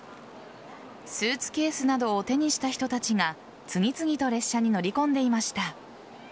スーツケースなどを手にした人たちが次々と列車に乗り込んでいました。